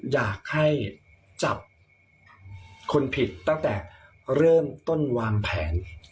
อยากให้จับคนผิดตั้งแต่เริ่มต้นวางแผน